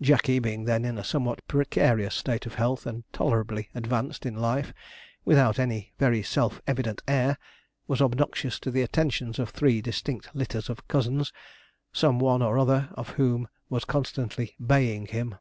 Jackey being then in a somewhat precarious state of health, and tolerably advanced in life, without any very self evident heir, was obnoxious to the attentions of three distinct litters of cousins, some one or other of whom was constantly 'baying him.'